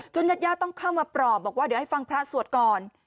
ญาติญาติต้องเข้ามาปลอบบอกว่าเดี๋ยวให้ฟังพระสวดก่อน